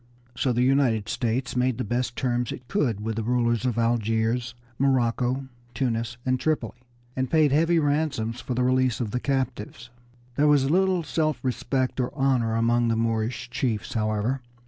So the United States made the best terms it could with the rulers of Algiers, Morocco, Tunis, and Tripoli, and paid heavy ransoms for the release of the captives. There was little self respect or honor among the Moorish chiefs, however.